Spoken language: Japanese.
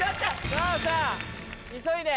さぁさぁ急いで！